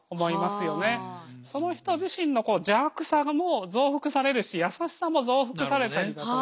その人自身の邪悪さも増幅されるし優しさも増幅されたりだとか。